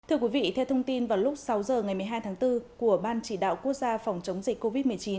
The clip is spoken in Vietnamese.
thưa quý vị theo thông tin vào lúc sáu h ngày một mươi hai tháng bốn của ban chỉ đạo quốc gia phòng chống dịch covid một mươi chín